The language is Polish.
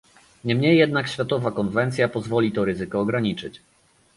Niemniej jednak światowa konwencja pozwoli to ryzyko ograniczyć